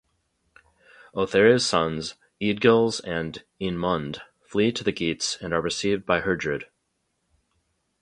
Ohthere's sons Eadgils and Eanmund flee to the Geats and are received by Heardred.